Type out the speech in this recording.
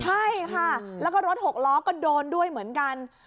ใช่ค่ะแล้วก็รถหกล้อก็โดนด้วยเหมือนกัน